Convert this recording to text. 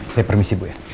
saya permisi bu ya